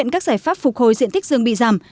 các giải pháp phục hồi diện tích rừng bị giảm